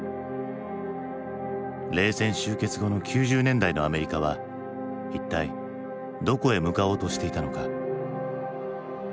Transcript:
冷戦終結後の９０年代のアメリカは一体どこへ向かおうとしていたのか。